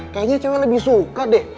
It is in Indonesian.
kayaknya cewek lebih suka deh